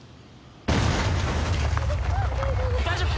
大丈夫！？